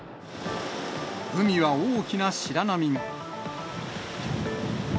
海は大きな白波が。